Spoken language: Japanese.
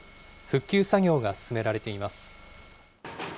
復旧作業が進められています。